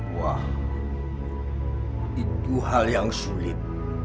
wah itu hal yang sulit